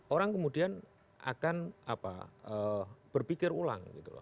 orang kemudian akan berpikir ulang gitu loh